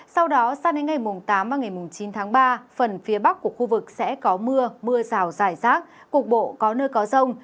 sau đó sang đến ngày tám và ngày chín tháng ba phần phía bắc của khu vực sẽ có mưa mưa rào dài rác cục bộ có nơi có rông